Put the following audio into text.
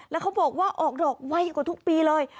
แล้วเขาบอกว่าออกดอกไวกว่าทุกปีเลย